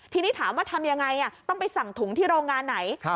ทีนี้ถามว่าทำยังไงต้องไปสั่งถุงที่โรงงานไหน